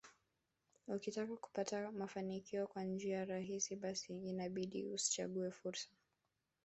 Ukitaka kupata mafanikio kwa njia rahisi basi inabidi usichague fursa